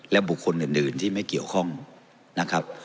บุคคลอื่นที่ไม่เกี่ยวข้องนะครับ